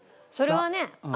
それはね